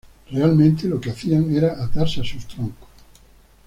Realmente, lo que hacían era atarse a sus troncos.